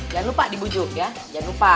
jangan lupa dibujuk ya jangan lupa